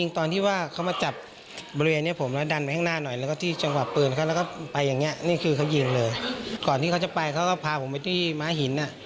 ก่อนที่เขาจะไปเขาก็พาผมไปที่หลาน้ำหิน